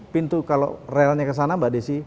pintu kalau relnya kesana mbak desi